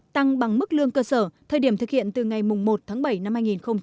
tăng bằng mức lương cơ sở thời điểm thực hiện từ ngày một tháng bảy năm hai nghìn hai mươi